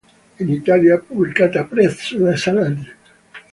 In Italia, è pubblicata presso la Salani.